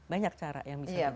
banyak cara yang bisa kita lakukan